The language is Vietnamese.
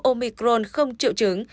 omicron không triệu chứng